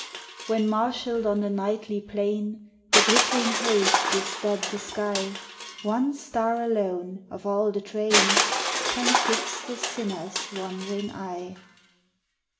When, marshalled on the nightly plain. The glittering host bestud the sky, One star alone, of all the train, Can fix the sinner's wandering eye.